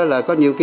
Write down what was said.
là có nhiều cái